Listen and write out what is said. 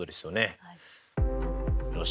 よし。